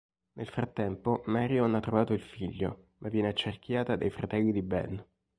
Nel frattempo Marion ha trovato il figlio ma viene accerchiata dai fratelli di Ben.